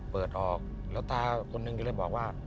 เปิดออกแล้วตาคนหนึ่งก็เลยบอกว่า